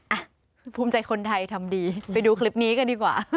อ่ะภูมิใจคนไทยทำดีไปดูคลิปนี้กันดีกว่า